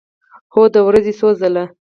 هو، د ورځې څو ځله